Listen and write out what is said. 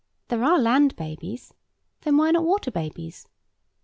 There are land babies—then why not water babies?